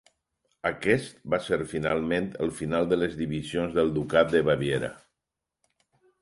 Aquest va ser finalment, el final de les divisions del ducat de Baviera.